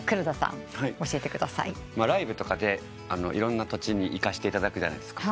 ライブとかでいろんな土地に行かせていただくじゃないですか。